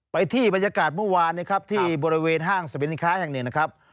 ไปที่บรรยากาศเมื่อวานนะครับที่บริเวณห้างสรรพสินค้าแห่งหนึ่งนะครับ